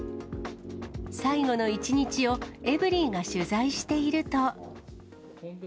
最後の一日を、エブリィが取材していると。